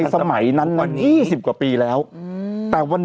เราก็มีความหวังอะ